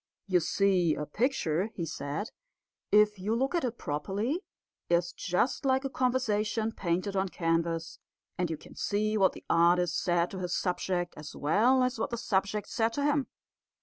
"You see, a picture," he said, "if you look at it properly, is just like a conversation painted on canvas; and you can see what the artist said to his subject as well as what his subject said to him.